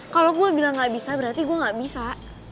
kalau gue bilang gak bisa berarti gue gak bisa